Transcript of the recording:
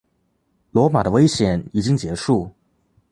罗马的危险已经结束。